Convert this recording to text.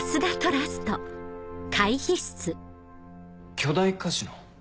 巨大カジノ？